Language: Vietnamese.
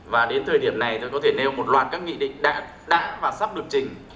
và đến thời điểm này tôi có thể nêu một loạt các nghị định đã và sắp được chỉnh